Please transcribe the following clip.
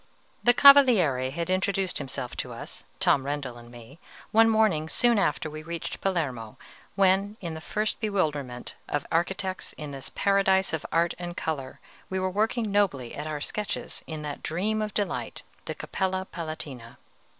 The Cavaliere had introduced himself to us, Tom Rendel and me, one morning soon after we reached Palermo, when, in the first bewilderment of architects in this paradise of art and color, we were working nobly at our sketches in that dream of delight, the Capella Palatina.